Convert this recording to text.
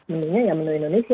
mendingnya yang menu indonesia